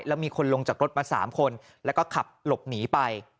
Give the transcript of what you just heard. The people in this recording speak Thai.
แล้วมีคนลงจากรถมา๓คนแล้วก็ขับหลบหนีไป